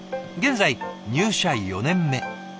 現在入社４年目。